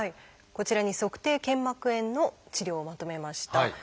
こちらに足底腱膜炎の治療をまとめました。